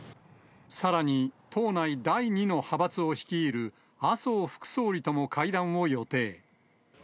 さらに党内第２の派閥を率いる麻生副総理とも会談を予定。